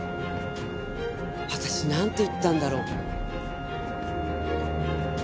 私なんて言ったんだろう？